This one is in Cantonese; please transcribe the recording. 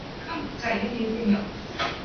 車水馬龍